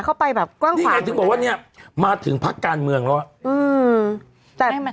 นี่ไงถึงบอกว่ามาถึงพักการเมืองแล้ว